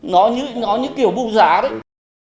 nó như kiểu bụng giá đấy